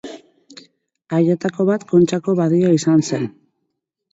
Haietako bat Kontxako badia izan zen.